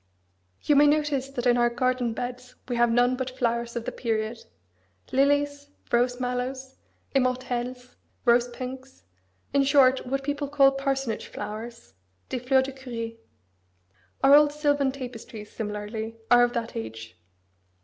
You may notice that in our garden beds we have none but flowers of the period lilies, rose mallows, immortelles, rose pinks, in short what people call parsonage flowers des fleurs de curé. Our old silvan tapestries, similarly, are of that age.